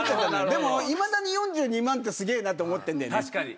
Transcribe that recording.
でもいまだに４２万ってすげえなって思ってんだよね。